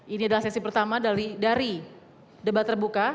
ini adalah sesi pertama dari debat terbuka